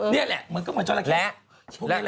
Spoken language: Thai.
นี่แหละมันก็เหมือนจริง